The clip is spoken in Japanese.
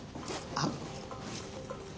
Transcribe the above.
あっ。